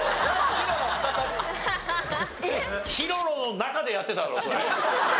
ヒロロの中でやってたろそれ。